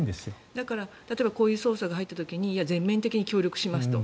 だから、例えばこういう捜査が入った時に全面的に協力しますと。